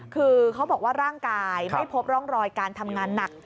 คือเขาบอกว่าร่างกายไม่พบร่องรอยการทำงานหนัก